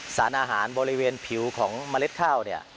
สารอาหารบริเวณผิวของเมล็ดข้าวเนี่ย